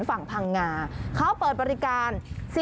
ฝั่งพังงาเขาเปิดบริการ